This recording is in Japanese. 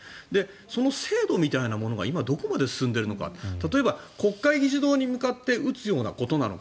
その精度みたいなものが今、どこまで進んでいるのか例えば国会議事堂に向かって撃つようなことなのか